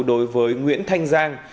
đối với nguyễn thanh giang